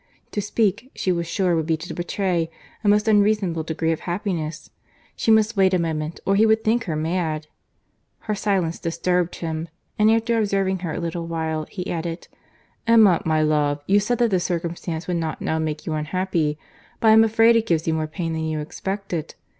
To speak, she was sure would be to betray a most unreasonable degree of happiness. She must wait a moment, or he would think her mad. Her silence disturbed him; and after observing her a little while, he added, "Emma, my love, you said that this circumstance would not now make you unhappy; but I am afraid it gives you more pain than you expected.